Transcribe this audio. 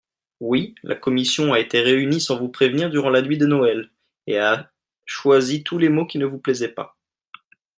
Oui, la commission a été réunie sans vous prévenir durant la nuit de Noël et a choisie tous les mots qui ne vous plaisaient pas.